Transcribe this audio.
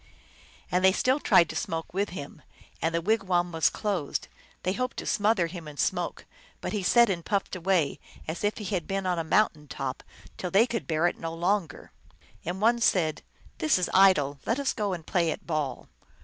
And they still tried to smoke with him, and the wigwam was closed ; they hoped to smother him in smoke, but he sat and puffed away as if he had been on a mountain top, till they could bear it no longer. And one said, " This is idle ; let us go and play at ball."